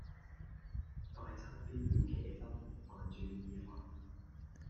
快餐 B 要茄汁,飯轉意粉